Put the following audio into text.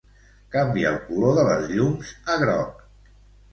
Canvia el color de les llums a groc.